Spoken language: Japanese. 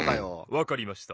わかりました。